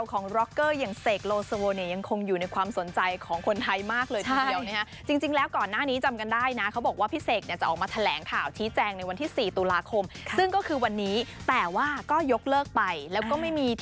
ก็คงอยู่ในความสนใจของคนไทยมากกว่านี้ค่ะเท่าที่เดียวเนี้ยจริงจริงแล้วก่อนหน้านี้จำกันได้นะเขาบอกว่าพี่เ๋กเนี้ยจะออกมาแถลงข่าวที่แจงในวันที่สี่ตุลาคมครับก็คือวันนี้แต่ว่าก็ยกเลิกไปแล้วก็ไม่มี